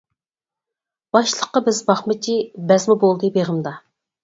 باشلىققا بىز باقمىچى، بەزمە بولدى بېغىمدا.